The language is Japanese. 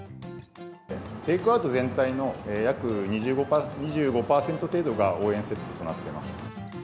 テイクアウト全体の約２５％程度が応援セットとなっています。